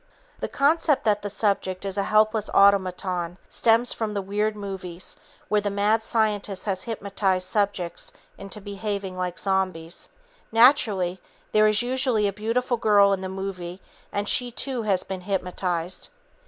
The concept that the subject is a helpless automaton stems from the weird movies where the "mad scientist" has hypnotized subjects into behaving like zombies. Naturally, there is usually a beautiful girl in the movie and she, too, has been hypnotized.